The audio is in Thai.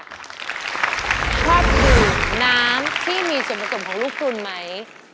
ครอบครัวน้ำที่มีส่วนผสมของลูกคุณไหม